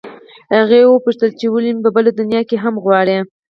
هغې وپوښتل چې ولې مې په بله دنیا کې هم غواړې